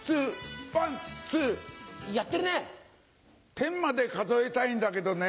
テンまで数えたいんだけどね